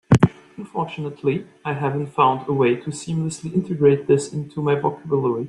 Unfortunately, I haven't found a way to seamlessly integrate this into my vocabulary.